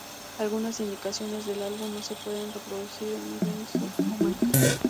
Algunas ediciones del álbum no se pueden reproducir en Windows o Mac.